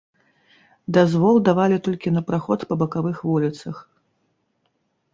Дазвол давалі толькі на праход па бакавых вуліцах.